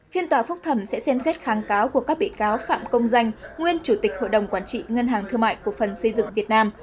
phiên tòa phúc thẩm sẽ xem xét kháng cáo của các bị cáo phạm công danh nguyên chủ tịch hội đồng quản trị ngân hàng thương mại cổ phần xây dựng việt nam